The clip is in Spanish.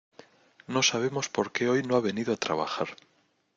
No sabemos por qué hoy no ha venido a trabajar.